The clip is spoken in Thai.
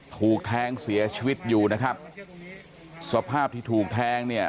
ถูกแทงเสียชีวิตอยู่นะครับสภาพที่ถูกแทงเนี่ย